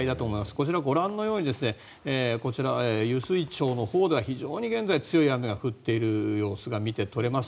こちら、ご覧のように湧水町のほうでは非常に現在、強い雨が降っている様子が見て取れます。